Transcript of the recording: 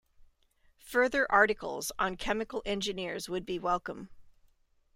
Further articles on chemical engineers would be welcome.